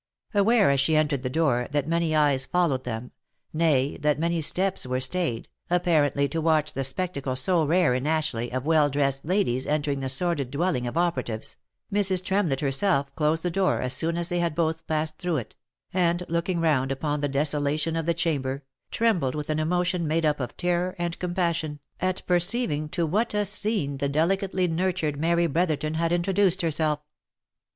Aware, as she entered the door, that many eyes followed them, nay, that many steps were stayed, apparently, to watch the spectacle so rare in Ashleigh of well dressed ladies entering the sordid dwelling of operatives, Mrs. Tremlett herself closed the door as soon as they had both passed through it, and looking round upon the desolation of the chamber, trembled with an emotion made up of terror and compas sion, at perceiving to what a scene the delicately nurtured Mary Bro therton had introduced herself.